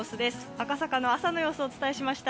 赤坂の朝の様子をお伝えしました。